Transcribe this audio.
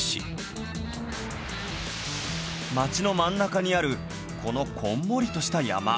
町の真ん中にあるこのこんもりとした山